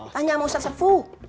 panjang sama ustaz sertfu